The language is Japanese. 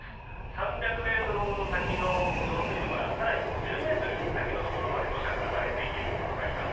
３００ｍほど先の用水路から更に５０ｍ先のところまで土砂が流れ着いているのが分かります。